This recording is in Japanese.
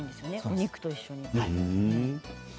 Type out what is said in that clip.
肉と一緒に。